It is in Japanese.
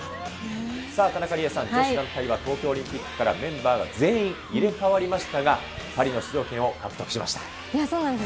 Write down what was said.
さあ、田中理恵さん、女子団体は東京オリンピックからメンバーが全員入れ替わりましたが、そうなんです。